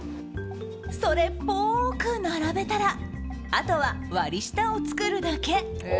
それっぽく並べたらあとは割り下を作るだけ。